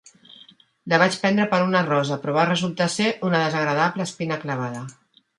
La vaig prendre per una rosa, però va resultar ser una desagradable espina clavada.